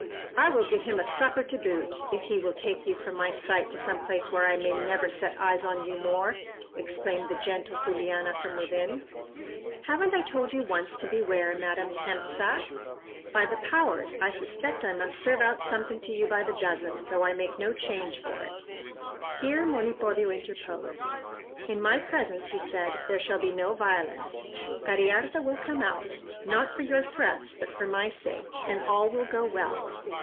"I will give him a supper to boot, if he will take you from my sight to some place where I may never set eyes on you more," exclaimed the gentle Juliana from within. "Haven't I told you once to beware, Madame Hemp sack? By the powers, I suspect I must serve out something to you by the dozen, though I make no charge for it." Here Monipodio interposed: "In my presence," he said, "there shall be no violence. Cariharta will come out, not for your threats, but for my sake, and all will go well.